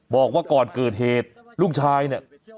บอกว่าก่อนเกิดเหตุลูกชายเนี่ย